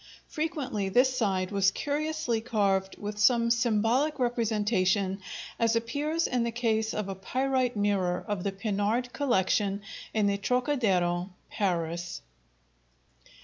Frequently this side was curiously carved with some symbolic representation as appears in the case of a pyrite mirror of the Pinard collection in the Trocadéro, Paris.